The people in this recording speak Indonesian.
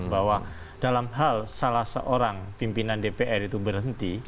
bahwa dalam hal salah seorang pimpinan dpr itu berhenti